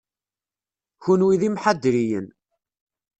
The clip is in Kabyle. Kenwi d imḥadriyen.